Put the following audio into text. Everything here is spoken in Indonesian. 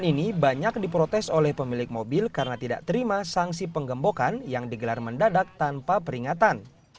ini banyak diprotes oleh pemilik mobil karena tidak terima sanksi penggembokan yang digelar mendadak tanpa peringatan